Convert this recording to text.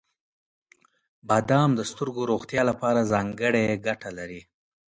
• بادام د سترګو روغتیا لپاره ځانګړې ګټه لري.